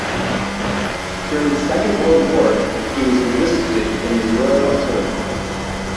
During the Second World War he was enlisted in the Royal Artillery.